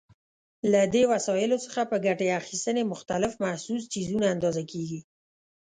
له دې وسایلو څخه په ګټې اخیستنې مختلف محسوس څیزونه اندازه کېږي.